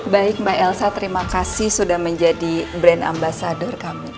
baik mbak elsa terima kasih sudah menjadi brand ambasador kami